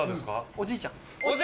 おじいちゃん！